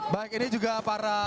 baik ini juga para